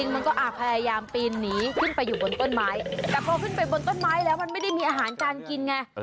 มันก็พยายามปีนหนีขึ้นไปอยู่บนต้นไม้แต่พอขึ้นไปบนต้นไม้แล้วมันไม่ได้มีอาหารการกินไง